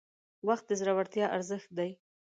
• وخت د زړورتیا ارزښت دی.